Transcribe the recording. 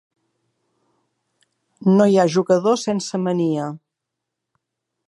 No hi ha jugador sense mania.